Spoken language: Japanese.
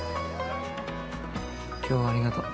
今日はありがとう。